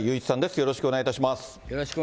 よろしくお願いします。